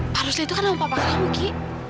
pak rusli itu kan nama papa kamu ki